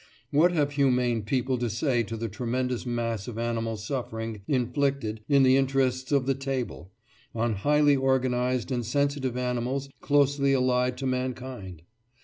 What have humane people to say to the tremendous mass of animal suffering inflicted, in the interests of the table, on highly organised and sensitive animals closely allied to mankind?